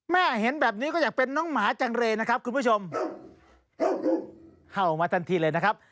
แม่เห็นแบบนี้ก็อยากเป็นน้องหมาจังเรนะครับคุณผู้ชมเห่ามาทันทีเลยนะครับ